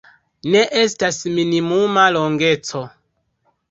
Ne estas minimuma longeco.